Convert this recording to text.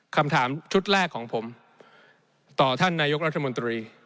คำถามชุดแรกของผมต่อท่านนายกรัฐมนตรี